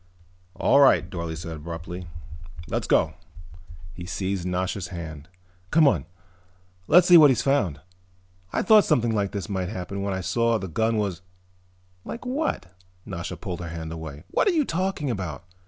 "All right," Dorle said abruptly. "Let's go." He seized Nasha's hand. "Come on. Let's see what he's found. I thought something like this might happen when I saw that the gun was " "Like what?" Nasha pulled her hand away. "What are you talking about?